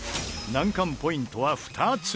難関ポイントは２つ。